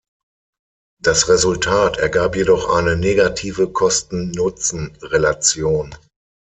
Das Resultat ergab jedoch eine negative Kosten-Nutzen-Relation.